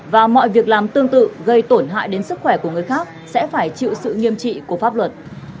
và mọi việc làm tương tự gây tổn hại đến sức khỏe của người khác sẽ phải chịu sự nghiêm trị của pháp luật